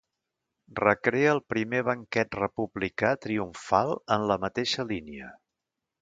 Recrea el primer banquet republicà triomfal en la mateixa línia.